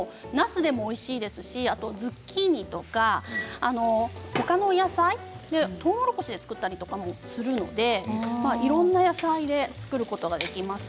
なすでもズッキーニでもほかの野菜、とうもろこしで作ったりとかもしますのでいろんな野菜で作ることができます。